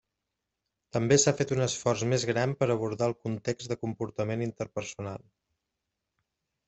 També s'ha fet un esforç més gran per abordar el context de comportament interpersonal.